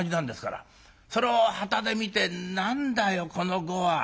それをはたで見て「何だよこの碁は。